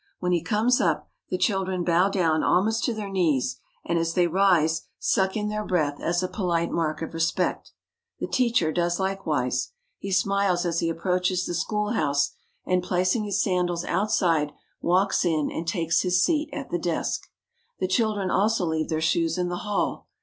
When he comes up, the children bow down almost to their knees ; and, as they rise, suck in their breath as a polite mark of respect. The teacher does likewise. He smiles as he approaches the schoolhouse ; and, placing his sandals out side, walks in and takes his seat at his desk. The children also leave their shoes in the hall.